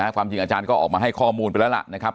ความจริงอาจารย์ก็ออกมาให้ข้อมูลไปแล้วล่ะนะครับ